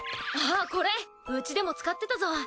あっこれうちでも使ってたぞ！